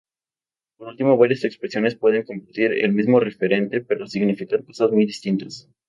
Por último, varias expresiones pueden compartir el mismo referente pero significar cosas muy distintas.